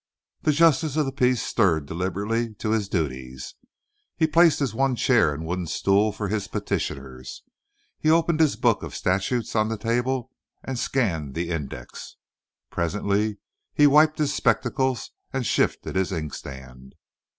The Justice of the Peace stirred deliberately to his duties. He placed his one chair and a wooden stool for his petitioners. He opened his book of statutes on the table and scanned the index. Presently he wiped his spectacles and shifted his inkstand.